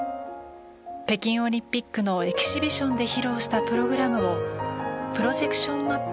北京オリンピックのエキシビションで披露したプログラムをプロジェクションマッピングで演じます。